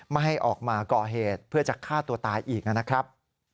ไม่ให้ออกมาก่อเหตุเพื่อจะฆ่าตัวตายอีกนะครับ